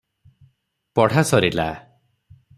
ପଢ଼ା ସରିଲା ।